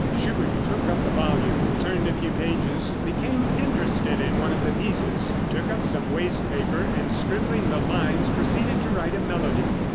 Schubert took up the volume, turned a few pages, became interested in one of the pieces, took up some waste paper, and scribbling the lines proceeded to write a melody.